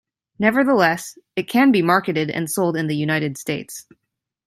Nevertheless, it can be marketed and sold in the United States.